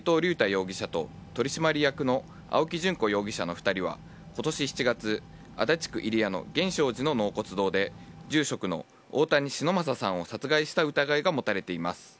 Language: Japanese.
容疑者と取締役の青木淳子容疑者の２人は今年７月、足立区入谷の源証寺の納骨堂で住職の大谷忍昌さんを殺害した疑いが持たれています。